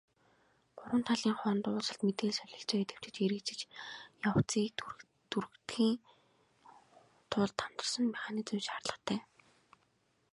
Гурван талын хооронд уулзалт, мэдээлэл солилцоо идэвхжиж, хэрэгжих явцыг түргэтгэхийн тулд хамтарсан механизм шаардлагатай.